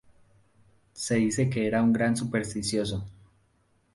Se dice que era un gran supersticioso.